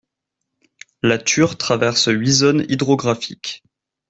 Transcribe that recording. La Thur traverse huit zones hydrographiques.